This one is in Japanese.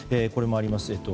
これもあります。